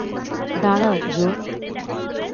দাঁড়াও, জো।